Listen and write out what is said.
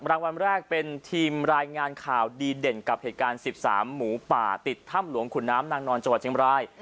รางวัลแรกเป็นทีมรายงานข่าวดีเด่นกับเหตุการณ์๑๓หมูป่าติดถ้ำหลวงขุนน้ำนางนอนจังหวัดเชียงบราย